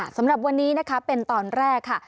สำหรับวันนี้นะคะเป็นตอนแรกค่ะ